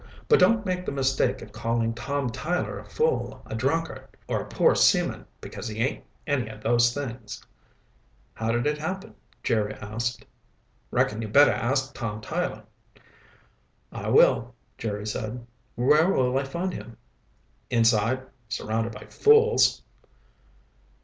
But don't make the mistake of calling Tom Tyler a fool, a drunkard, or a poor seaman, because he ain't any of those things." "How did it happen?" Jerry asked. "Reckon you better ask Tom Tyler." "I will," Jerry said. "Where will I find him?" "Inside. Surrounded by fools."